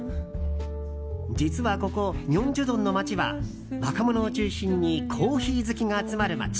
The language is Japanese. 実はここ、ミョンジュドンの街は若者を中心にコーヒー好きが集まる街。